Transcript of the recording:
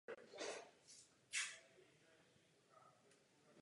Chceme, aby v Rusku proběhly řádné a spravedlivé volby.